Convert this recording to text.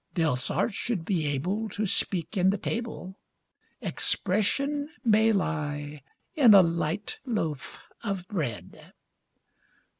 Delsarte should be able to speak in the table 'Expression' may lie in a light loaf of bread.